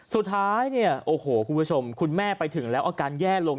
สุดท้ายเนี่ยโอ้โหคุณผู้ชมคุณแม่ไปถึงแล้วอาการแย่ลง